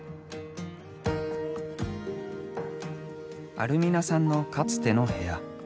アルミナさんのかつての部屋。